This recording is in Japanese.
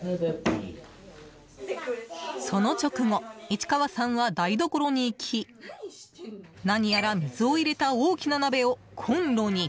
その直後、市川さんは台所に行き何やら水を入れた大きな鍋をコンロに。